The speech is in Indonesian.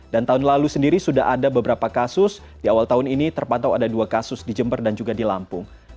dan tahun lalu sendiri sudah ada beberapa kasus di awal tahun ini terpatau ada dua kasus di jember dan juga di lampung